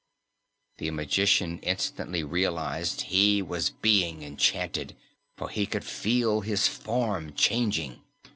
The magician instantly realized he was being enchanted, for he could feel his form changing.